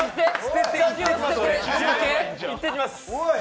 いってきます。